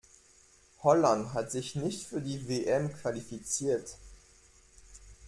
Holland hat sich nicht für die WM qualifiziert.